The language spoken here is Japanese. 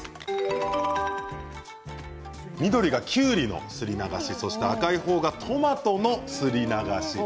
緑が、きゅうりのすり流し赤い方がトマトのすり流しです。